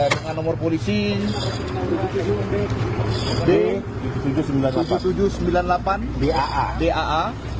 dengan nomor polisi d tujuh ribu tujuh ratus sembilan puluh delapan daa